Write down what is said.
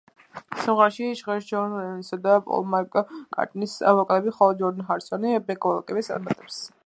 სიმღერაში ჟღერს ჯონ ლენონისა და პოლ მაკ-კარტნის ვოკალები, ხოლო ჯორჯ ჰარისონი ბეკ-ვოკალებს ამატებს.